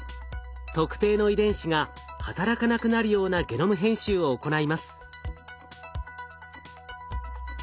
特定の遺伝子が働かなくなるようなゲノム編集を行います。